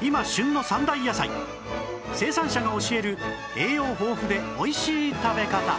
今旬の３大野菜生産者が教える栄養豊富でおいしい食べ方